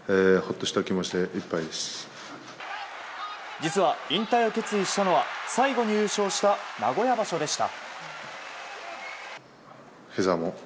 実は引退を決意したのは最後に優勝した名古屋場所でした。